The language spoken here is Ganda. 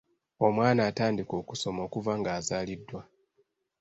Omwana atandika okusoma okuva ng’azaaliddwa.